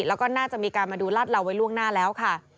แล้วก็น่าจะมีการมาดูรัดเราไว้ล่วงหน้าแล้วค่ะ